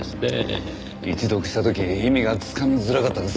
一読した時意味がつかみづらかったですけど